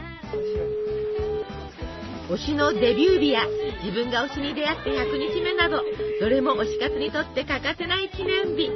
推しのデビュー日や自分が推しに出会って１００日目などどれも推し活にとって欠かせない記念日。